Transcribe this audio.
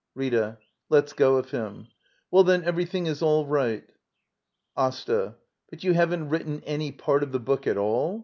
Rita. [Lets go of him.] Well, then every thing is all right. AsTA. But you haven't written any part of the /book at all?